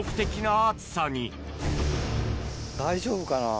大丈夫かな。